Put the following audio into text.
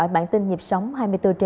bản tin nhịp sống hai mươi bốn h bảy